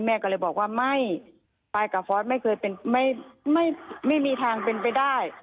แม่ก็เลยบอกว่าไม่ไปกับฟอสไม่เคยเป็นไม่มีทางเป็นไปได้